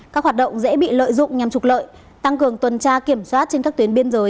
các hoạt động dễ bị lợi dụng nhằm trục lợi tăng cường tuần tra kiểm soát trên các tuyến biên giới